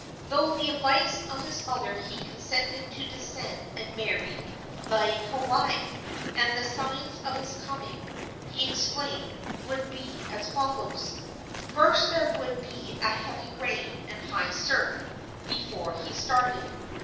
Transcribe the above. Through the advice of his mother he consented to descend and marry Laieikawai, and the signs of his coming, he explained, would be as follows: First, there would be a heavy rain and high surf before he started.